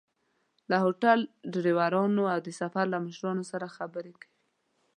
له هوټل، ډریورانو او د سفر له مشرانو سره خبرې کوي.